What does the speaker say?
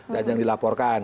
dan yang dilaporkan